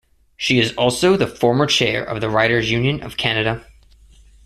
She is also the former chair of the Writers' Union of Canada.